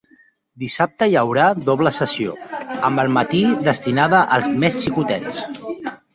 Dissabte hi haurà doble sessió, amb el matí destinada als més xicotets.